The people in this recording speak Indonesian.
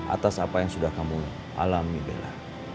atas apa yang sudah kamu alami bella